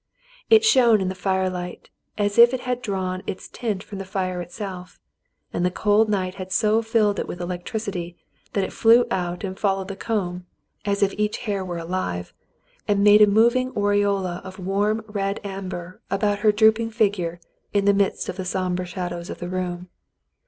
It shone in the firelight as if it had drawn its tint from the fire itself, and the cold night had so filled it with electricity that it flew out and followed the comb, as if each hair were alive, and made a moving aureola of warm red amber about her drooping figure in the midst of the sombre shadows of the room.